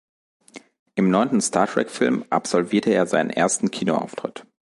Im neunten Star Trek Film absolvierte er seinen ersten Kinoauftritt.